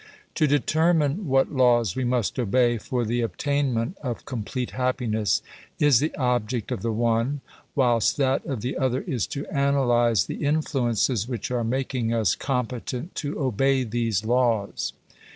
To determine what laws we must obey for the obtainment of complete hap piness is the object of the one, whilst that of the other is to analyze the influences which are making us competent to obey these laws.